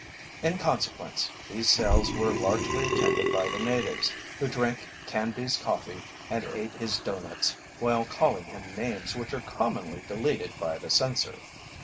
In consequence, these sales were largely attended by the natives, who drank Canby's coffee and ate his doughnuts while calling him names which are commonly deleted by the censor.